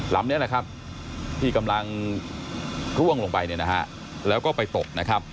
ลำนี้ที่กำลังร่วงลงไปแล้วก็ไปตก